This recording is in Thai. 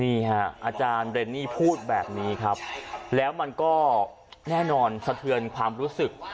นี่ฮะอาจารย์เรนนี่พูดแบบนี้ครับแล้วมันก็แน่นอนสะเทือนความรู้สึก